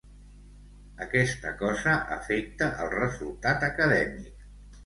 Aquesta cosa afecta el resultat acadèmic.